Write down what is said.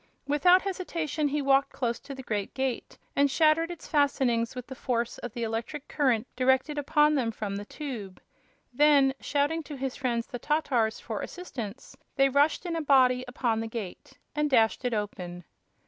Without hesitation he walked close to the great gate and shattered its fastenings with the force of the electric current directed upon them from the tube. Then, shouting to his friends the Tatars for assistance, they rushed in a body upon the gate and dashed it open.